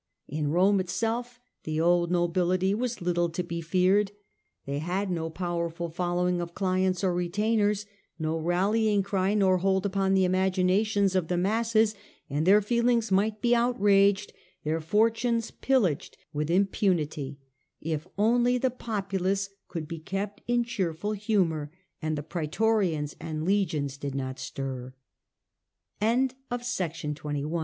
In Rome itself the old nobility was little to be feared. They had no power ful following of clients or retainers, no rallying cry nor hold upon the imaginations of the masses; and their feelings might be outraged, their fortunes pillaged with impunity, if only the populace could be kept in cheerful humour and